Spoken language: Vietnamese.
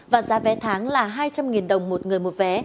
và giá vé tháng là hai trăm linh đồng một người một vé